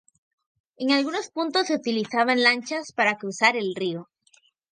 En algunos puntos se utilizaban lanchas para cruzar el río.